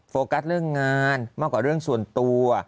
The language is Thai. โฟกัสเรื่องงานมากกว่าเรื่องส่วนตัว